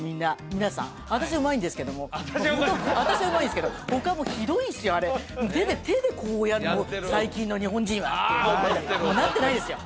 皆さん私はうまいんですけどもホント私はうまいんですけど他もうひどいんですよあれ手でこうやるもう最近の日本人はっていうもうなってないですよ